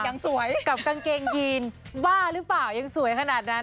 ยังสวยกับกางเกงยีนบ้าหรือเปล่ายังสวยขนาดนั้น